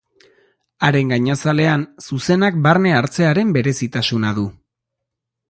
Haren gainazalean zuzenak barne hartzearen berezitasuna du.